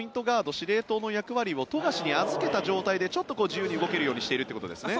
司令塔の役割を富樫に預けた状態で自由に動けるようにしているということですね。